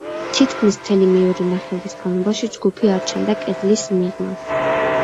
თითქმის მთელი მეორე ნახევრის განმავლობაში ჯგუფი არ ჩანდა კედლის მიღმა.